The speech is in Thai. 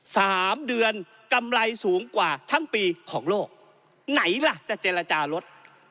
สามเดือนกำไรสูงกว่าทั้งปีของโลกไหนล่ะจะเจรจาลด